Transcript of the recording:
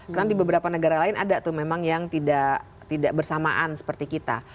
karena di beberapa negara lain ada tuh memang yang tidak bersamaan seperti kita